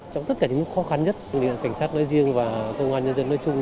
trong tất cả những khó khăn nhất cảnh sát nói riêng và công an nhân dân nói chung